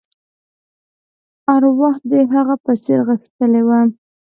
ارواح د هغه په څېر غښتلې وه.